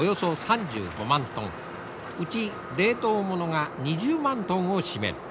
うち冷凍物が２０万トンを占める。